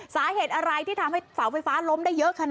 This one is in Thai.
สาเหตุอะไรที่ทำให้เสาไฟฟ้าล้มได้เยอะขนาดนี้